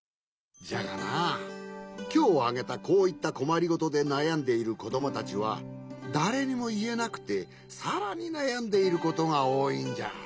じゃがなきょうあげたこういったこまりごとでなやんでいるこどもたちはだれにもいえなくてさらになやんでいることがおおいんじゃ。